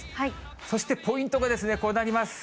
そしてポイントがこうなります。